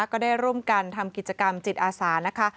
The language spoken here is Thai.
ก็ได้ร่วมกันทำกิจกรรมจิตอาสานะคะ